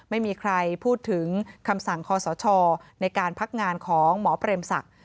ไม่มีใครพูดถึงคำสั่งคอสชในการพักงานของหมอเปรมศักดิ์